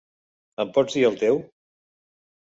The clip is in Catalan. Em pots dir el teu??